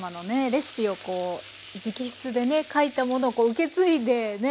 レシピをこう直筆でね書いたものを受け継いでね